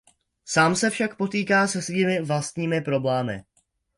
Sám se však potýká se svými vlastními problémy.